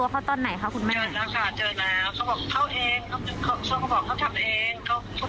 เขาสติไม่ค่อยดีหน่อยดีกว่าเขาเอามาเป็นอย่างนั้น